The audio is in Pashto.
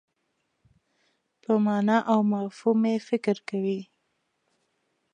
په مانا او مفهوم یې فکر کوي.